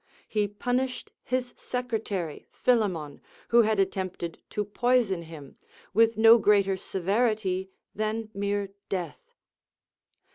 He punished his secretary Philemon, who had attempted to poison him, with no greater severity than mere death."